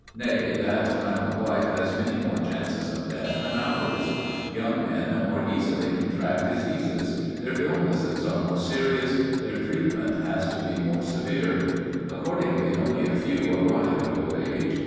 Nay, that time of life has many more chances of death than ours, Young men more easily contract diseases; their illnesses are more serious; their treatment has to be more severe. Accordingly, only a few arrive at old age.